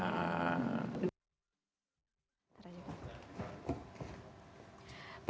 pembelian keputusan mpr